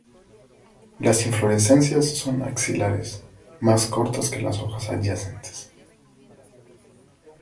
Las inflorescencias son axilares, más cortas que las hojas adyacentes.